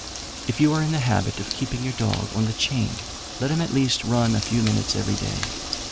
"If you are in the habit of keeping your dog on the chain, let him at least run a few minutes every day.